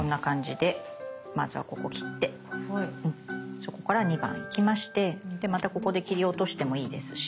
そこから２番行きましてでまたここで切り落としてもいいですし。